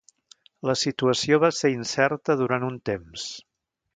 La situació va ser incerta durant un temps.